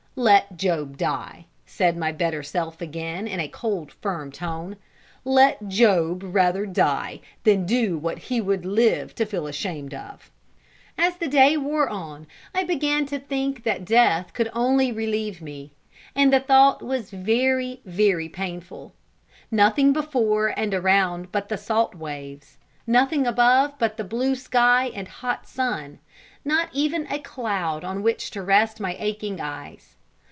"Let Job die," said my better self again, in a cold, firm tone; "let Job rather die, than do what he would live to feel ashamed of." As the day wore on, I began to think that death only could relieve me; and the thought was very, very painful. Nothing before and around but the salt waves nothing above but the blue sky and hot sun not even a cloud on which to rest my aching eyes.